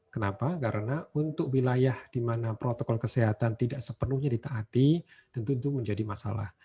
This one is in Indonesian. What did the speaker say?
kenapa karena untuk wilayah di mana protokol kesehatan tidak sepenuhnya ditaati tentu itu menjadi masalah